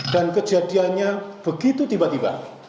dan kejadiannya begitu tiba tiba